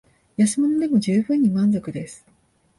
安物でも充分に満足です